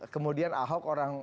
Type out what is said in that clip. kemudian ahok orang